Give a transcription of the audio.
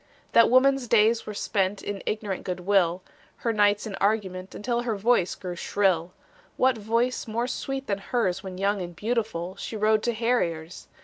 That woman's days were spent In ignorant good will, Her nights in argument Until her voice grew shrill. What voice more sweet than hers When young and beautiful, She rode to harriers?